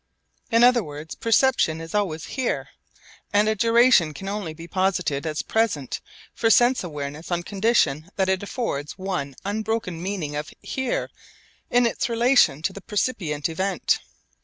In other words, perception is always 'here,' and a duration can only be posited as present for sense awareness on condition that it affords one unbroken meaning of 'here' in its relation to the percipient event.